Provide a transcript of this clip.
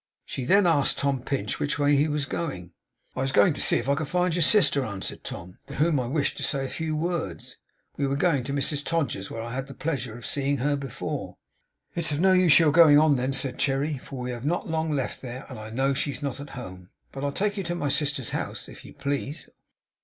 She then asked Tom Pinch which way he was going. 'I was going to see if I could find your sister,' answered Tom, 'to whom I wished to say a few words. We were going to Mrs Todgers's, where I had the pleasure of seeing her before.' 'It's of no use your going on, then,' said Cherry, 'for we have not long left there; and I know she is not at home. But I'll take you to my sister's house, if you please.